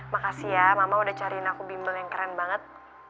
makasih ya mama udah cariin aku bimbel yang keren banget